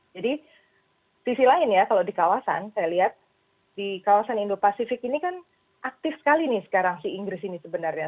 jadi sisi lain ya kalau di kawasan saya lihat di kawasan indo pasifik ini kan aktif sekali nih sekarang si inggris ini sebenarnya